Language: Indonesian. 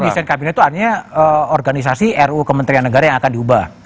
desain kabinet itu artinya organisasi ruu kementerian negara yang akan diubah